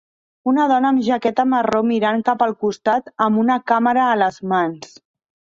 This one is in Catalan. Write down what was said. Una dona amb jaqueta marró mirant cap al costat amb una càmera a les mans.